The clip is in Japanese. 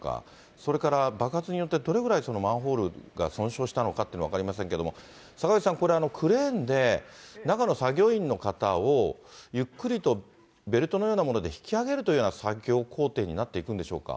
それから爆発によってどれぐらいマンホールが損傷したのかっていうのは分かりませんけれども、坂口さん、これ、クレーンで中の作業員の方をゆっくりとベルトのようなもので引き上げるというような作業工程になっていくんでしょうか。